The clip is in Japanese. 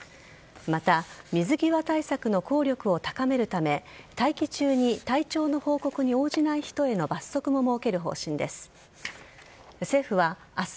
また水際対策の効力を高めるため待機中に体調の報告に応じない人への罰則も設ける方針です。